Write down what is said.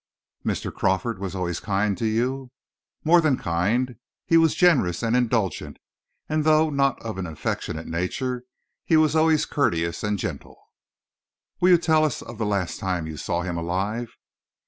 "Mr. Crawford was always kind to you?" "More than kind. He was generous and indulgent, and, though not of an affectionate nature, he was always courteous and gentle." "Will you tell us of the last time you saw him alive?"